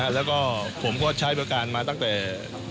แล้วก็ผมก็ใช้บริการมาตั้งแต่